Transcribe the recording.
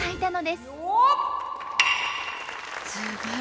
すごい！